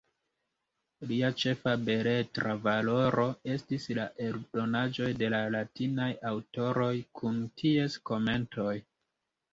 Lia ĉefa beletra valoro estis la eldonaĵoj de la latinaj aŭtoroj kun ties komentoj.